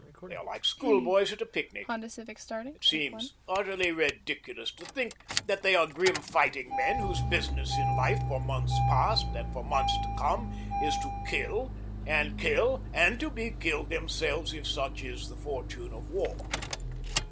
They are like school boys at a picnic. It seems utterly ridiculous to think that they are grim fighting men whose business in life for months past and for months to come is to kill and kill, and to be killed themselves if such is the fortune of war.